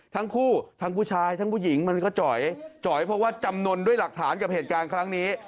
ทั้งคู่ทั้งผู้ชายทั้งผู้หญิงมันก็จ่อยจ่อยเพราะว่าจำนวนด้วยหลักฐานกับเหตุการณ์ครั้งนี้